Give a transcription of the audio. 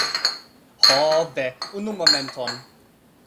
Ho, ve! Unu momenton.